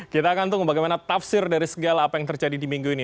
kita akan tunggu bagaimana tafsir dari segala apa yang terjadi di minggu ini